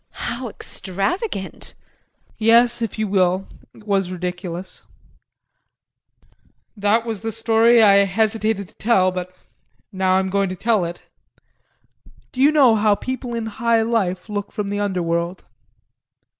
] JULIE. How extravagant! JEAN. Yes, if you will, it was ridiculous. That was the story I hesitated to tell, but now I'm going to tell it. Do you know how people in high life look from the under world?